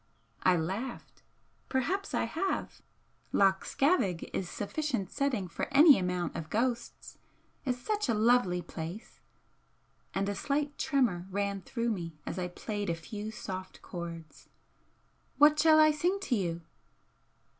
I laughed. "Perhaps I have! Loch Scavaig is sufficient setting for any amount of ghosts. It's such a lonely place," and a slight tremor ran through me as I played a few soft chords "What shall I sing to you?"